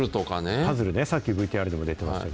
パズルね、さっきＶＴＲでも出てましたけど。